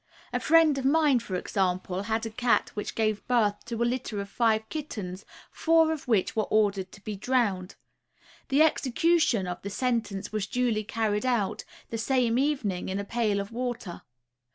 A friend of mine, for example, had a cat which gave birth to a litter of five kittens, four of which were ordered to be drowned. The execution of the sentence was duly carried out, the same evening in a pail of water.